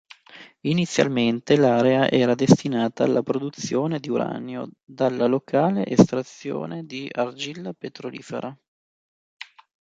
Inizialmente, l'area era destinata alla produzione di uranio dalla locale estrazione di argilla petrolifera.